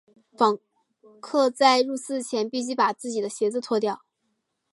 访客在入寺前必须把自己的鞋子脱掉。